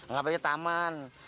ngapain ya taman